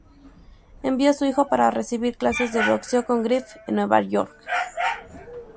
Envió a su hijo para recibir clases de boxeo con Griffith en Nueva York.